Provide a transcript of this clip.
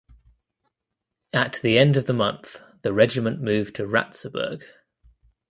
At the end of the month the regiment moved to Ratzeburg.